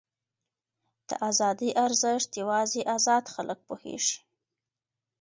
د ازادۍ ارزښت یوازې ازاد خلک پوهېږي.